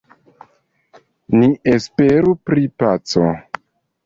Ni esperu pri paco.